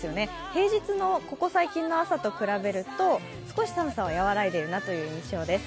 平日のここ最近の朝と比べると少し寒さは和らいでいるという印象です。